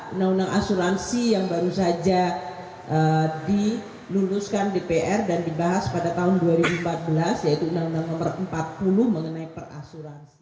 undang undang asuransi yang baru saja diluluskan dpr dan dibahas pada tahun dua ribu empat belas yaitu undang undang nomor empat puluh mengenai perasuransi